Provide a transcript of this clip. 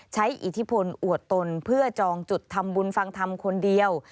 อิทธิพลอวดตนเพื่อจองจุดทำบุญฟังธรรมคนเดียว